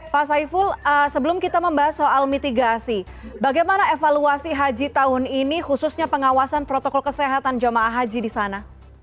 pak saiful sebelum kita membahas soal mitigasi bagaimana evaluasi haji tahun ini khususnya pengawasan protokol kesehatan jamaah haji di sana